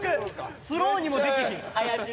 スローにもできひん。